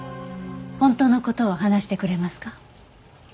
本当の事を話してくれますか？